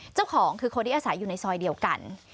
เจ้าของคือคนที่อาศัยอยู่ในซอยเดียวกัน